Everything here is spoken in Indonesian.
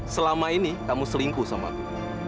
selama ini kamu selingkuh sama aku